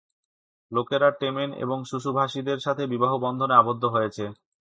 লোকেরা টেমেন এবং সুসুভাষীদের সাথে বিবাহ বন্ধনে আবদ্ধ হয়েছে।